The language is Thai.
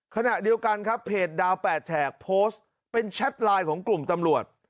ขณะเดียวกันครับเพจดาว๘แฉกโพสต์เป็นแชทไลน์ของกลุ่มตำรวจ